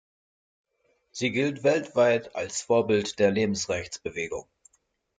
Sie gilt weltweit als Vorbild der Lebensrechtsbewegung.